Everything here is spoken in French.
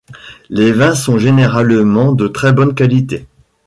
Les vins sont généralement de très bonne qualité.